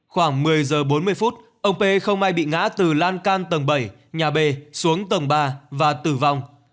khoảng một mươi giờ bốn mươi phút ông p không may bị ngã từ lan can tầng bảy nhà b xuống tầng ba và tử vong